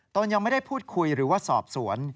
ตนยังไม่ได้พูดคุยหรือว่าสอบสวน